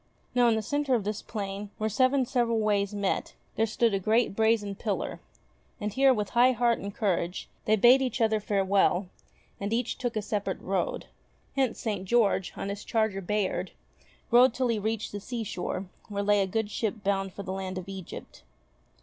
Now in the centre of this plain, where seven several ways met, there stood a great brazen pillar, and here, with high heart and courage, they bade each other farewell, and each took a separate road. Hence, St. George, on his charger Bayard, rode till he reached the seashore where lay a good ship bound for the land of Egypt.